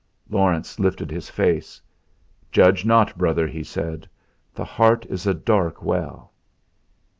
Laurence lifted his face. "Judge not, brother," he said; "the heart is a dark well."